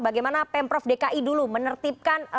bagaimana pemprov dki dulu menertibkan